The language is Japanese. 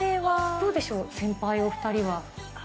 どうでしょう、先輩お２人は。